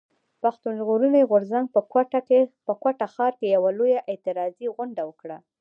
پښتون ژغورني غورځنګ په کوټه ښار کښي يوه لويه اعتراضي غونډه وکړه.